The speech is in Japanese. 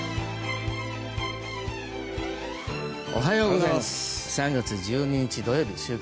おはようございます。